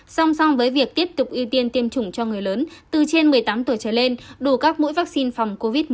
song song với việc tiếp tục ưu tiên tiêm chủng cho người lớn từ trên một mươi tám tuổi trở lên đủ các mũi vaccine phòng covid một mươi chín